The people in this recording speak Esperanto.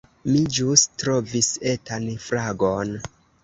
Mi ĵus trovis etan fragon